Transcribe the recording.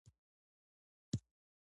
لکه د بندونو او مکتبونو جوړول.